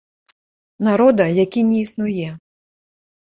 Народа, які не існуе.